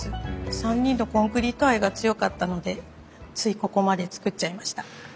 ３人のコンクリート愛が強かったのでついここまで作っちゃいました。